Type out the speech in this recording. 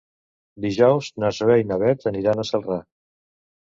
Dijous na Zoè i na Bet aniran a Celrà.